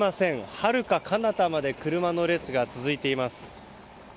はるか彼方まで車の列が続いています。